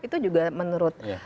itu juga menurut